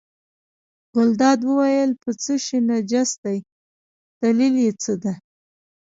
ګلداد وویل په څه شي نجس دی دلیل یې څه دی.